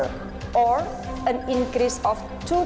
atau meningkat dua satu persen